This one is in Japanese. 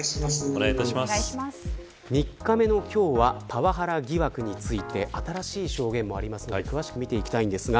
３日目の今日はパワハラ疑惑について新しい証言もありますが詳しく見ていきたいんですが。